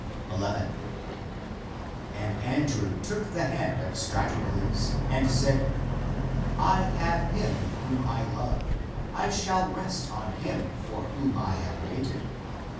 11. And Andrew took the hand of Stratocles and said, " I have him whom I loved. I shall rest on him for whom I have waited.